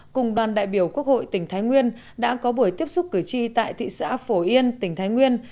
cùng đoàn đại biểu quốc hội tỉnh thái nguyên đã có buổi tiếp xúc cử tri tại thị xã phổ yên tỉnh thái nguyên